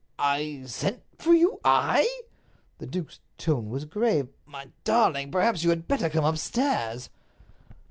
"I sent for you—I?" The duke's tone was grave. "My darling, perhaps you had better come upstairs."